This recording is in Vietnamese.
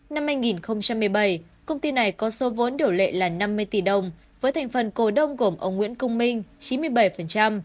năm hai nghìn một mươi bảy công ty này có số vốn điều lệ là năm mươi tỷ đồng với thành phần cổ đông gồm ông nguyễn công minh chín mươi bảy